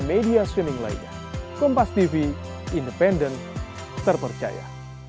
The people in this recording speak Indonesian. media swimming lainnya kompas tv independen terpercaya